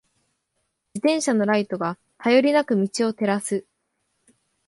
自転車のライトが、頼りなく道を照らす。